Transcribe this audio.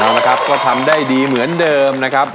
เอาละครับก็ทำได้ดีเหมือนเดิมนะครับ